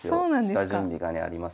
下準備がねありまして。